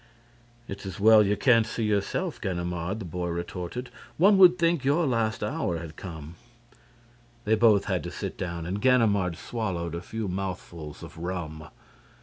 "It's as well you can't see yourself, Ganimard," the boy retorted. "One would think your last hour had come!" They both had to sit down and Ganimard swallowed a few mouthfuls of rum.